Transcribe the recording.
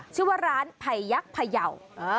ชื่อว่าร้านไผ่ยักษ์พยาว